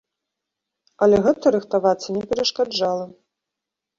Але гэта рыхтавацца не перашкаджала.